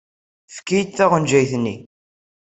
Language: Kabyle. Efk-iyi-d taɣenjayt-nni.